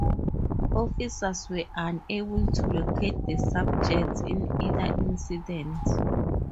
Officers were unable to locate the subjects in either incident.